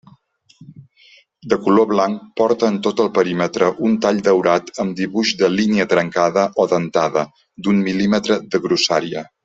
De color blanc, porta en tot el perímetre un tall daurat amb dibuix de línia trencada o dentada d'un mil·límetre de grossària.